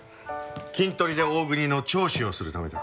キントリで大國の聴取をするためだ。